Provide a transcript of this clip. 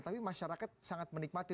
tapi masyarakat sangat menikmati